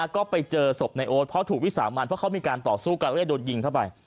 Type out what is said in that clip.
ก็ไปเจอศพในโอ๊ตเพราะถูกวิสามันเพราะเขามีการต่อสู้กันแล้วจะโดนยิงเข้าไป